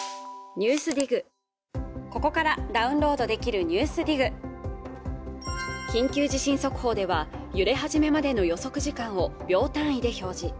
ここからダウンロードできる「ＮＥＷＳＤＩＧ」緊急地震速報では揺れ始めまでの予測時間を秒単位で表示